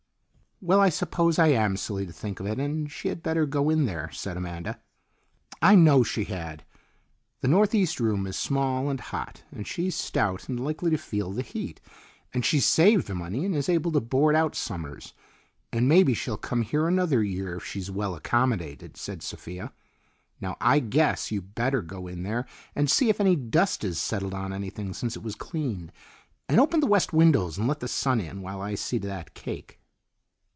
"Well, I suppose I am silly to think of it, and she had better go in there," said Amanda. "I know she had. The northeast room is small and hot, and she's stout and likely to feel the heat, and she's saved money and is able to board out summers, and maybe she'll come here another year if she's well accommodated," said Sophia. "Now I guess you'd better go in there and see if any dust has settled on anything since it was cleaned, and open the west windows and let the sun in, while I see to that cake."